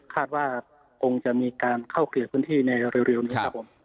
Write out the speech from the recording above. คาดว่าคงจะมีการเข้าเคลียร์พื้นที่ในเร็วนี้ครับผม